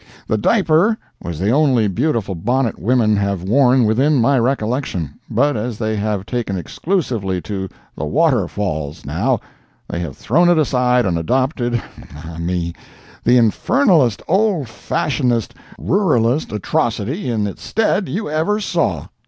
The diaper was the only beautiful bonnet women have worn within my recollection—but as they have taken exclusively to the waterfalls, now, they have thrown it aside and adopted, ah me, the infernalest, old fashionedest, ruralest atrocity in its stead you ever saw.